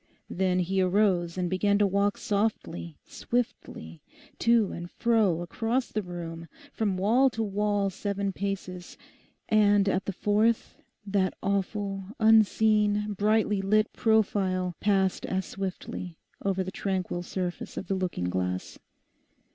Then he arose and began to walk softly, swiftly, to and fro across the room—from wall to wall seven paces, and at the fourth, that awful, unseen, brightly lit profile passed as swiftly over the tranquil surface of the looking glass.